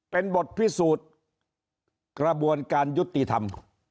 เป็นบทพิสูจน์กระบวนการยุติธรรม